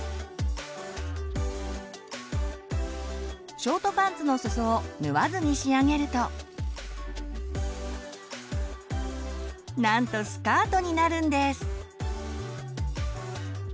ショートパンツのすそを縫わずに仕上げるとなんとスカートになるんです！